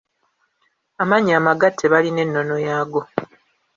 Amannya amagatte balina ennono yaago.